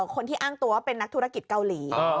คนที่อ้างตัวว่าเป็นนักธุรกิจเกาหลี